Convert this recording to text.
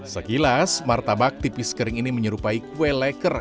sekilas martabak tipis kering ini menyerupai kue leker